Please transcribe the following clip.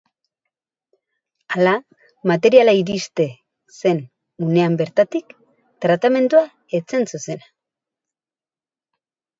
Hala, materiala iriste zen unean bertatik, tratamentua ez zen zuzena.